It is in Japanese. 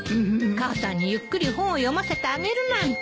母さんにゆっくり本を読ませてあげるなんて。